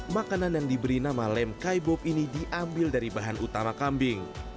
makanan yang diberi nama lem kybob ini diambil dari bahan utama kambing